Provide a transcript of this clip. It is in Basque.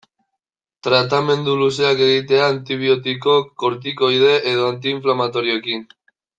Tratamendu luzeak egitea antibiotiko, kortikoide edo anti-inflamatorioekin.